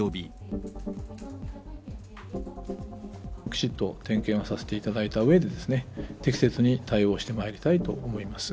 きちっと点検をさせていただいたうえで、適切に対応してまいりたいと思います。